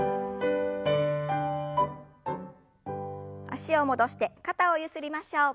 脚を戻して肩をゆすりましょう。